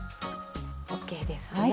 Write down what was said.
ＯＫですね。